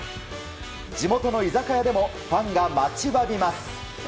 地元の居酒屋でもファンが待ちわびます。